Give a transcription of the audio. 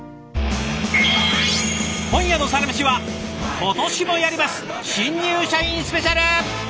今夜の「サラメシ」は今年もやります「新入社員スペシャル」！